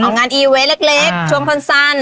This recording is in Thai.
เอางานอีเวนต์เล็กช่วงคนสั่น